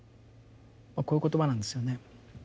まあこういう言葉なんですよね。